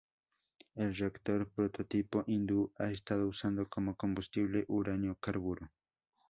El reactor prototipo hindú ha estado usando como combustible uranio-carburo.